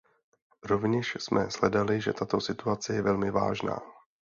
Rovněž jsme shledali, že tato situace je velmi vážná.